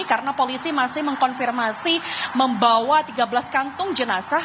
karena polisi masih mengkonfirmasi membawa tiga belas kantung jenazah